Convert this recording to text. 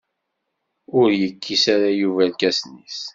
Ur yekkis ara Yuba irkasen-is.